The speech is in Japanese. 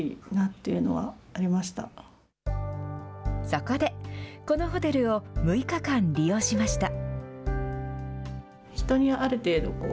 そこで、このホテルを６日間利用しました。